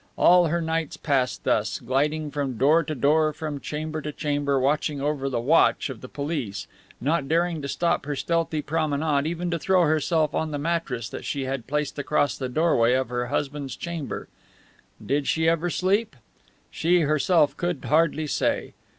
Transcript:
All her nights passed thus, gliding from door to door, from chamber to chamber, watching over the watch of the police, not daring to stop her stealthy promenade even to throw herself on the mattress that she had placed across the doorway of her husband's chamber. Did she ever sleep? She herself could hardly say.